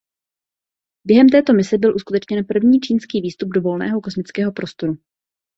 Během této mise byl uskutečněn první čínský výstup do volného kosmického prostoru.